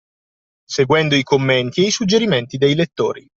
Seguendo i commenti e i suggerimenti dei lettori.